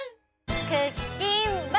クッキンバトル！